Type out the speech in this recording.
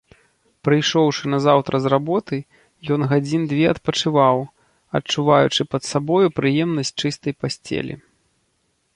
Прыйшоўшы назаўтра з работы, ён гадзін дзве адпачываў, адчуваючы пад сабою прыемнасць чыстай пасцелі.